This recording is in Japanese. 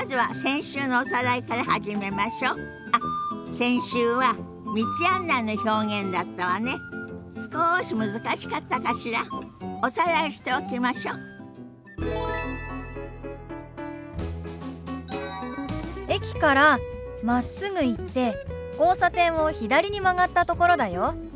駅からまっすぐ行って交差点を左に曲がったところだよ。